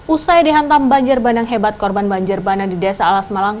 usai dihantam banjir bandang hebat korban banjir bandang di desa alas malang